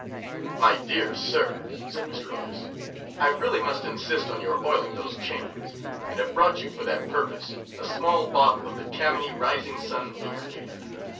'My dear sir,' said Mr. Otis, 'I really must insist on your oiling those chains, and have brought you for that purpose a small bottle of the Tammany Rising Sun Lubricator.